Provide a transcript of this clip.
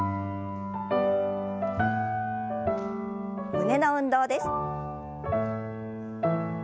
胸の運動です。